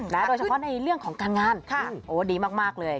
โดยเฉพาะในเรื่องของการงานโอ้ดีมากเลย